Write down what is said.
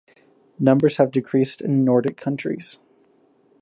Numbers have decreased in Nordic countries.